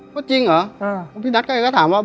ก็จริงเหรอพี่นัทก็ถามว่า